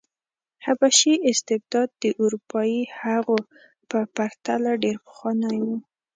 حبشي استبداد د اروپايي هغو په پرتله ډېر پخوانی و.